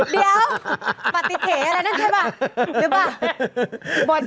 เดี๋ยวปฏิเทอะไรนั่นใช่ป่ะหรือเปล่า